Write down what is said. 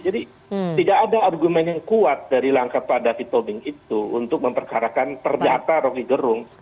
jadi tidak ada argumen yang kuat dari langkah pak dati tobing itu untuk memperkarakan perdata rocky gerung